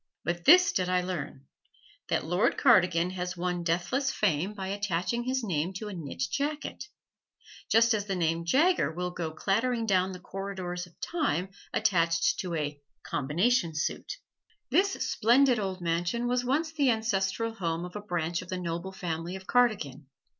But this did I learn, that Lord Cardigan has won deathless fame by attaching his name to a knit jacket, just as the name Jaeger will go clattering down the corridors of time attached to a "combination suit." This splendid old mansion was once the ancestral home of a branch of the noble family of Cardigan.